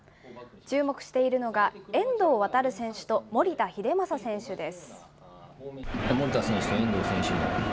注目しているのが、遠藤航選手と、守田英正選手です。